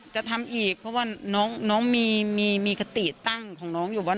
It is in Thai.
จะทำอีกเพราะว่าน้องมีคติตั้งของน้องอยู่ว่า